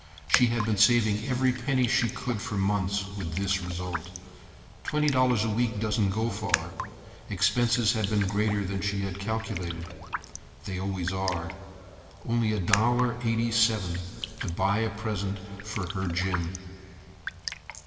She had been saving every penny she could for months, with this result. Twenty dollars a week doesn't go far. Expenses had been greater than she had calculated. They always are. Only $1.87 to buy a present for Jim. Her Jim.